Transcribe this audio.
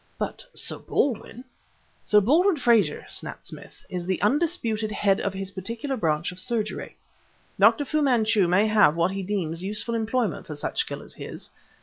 "But Sir Baldwin " "Sir Baldwin Frazer," snapped Smith, "is the undisputed head of his particular branch of surgery. Dr. Fu Manchu may have what he deems useful employment for such skill as his.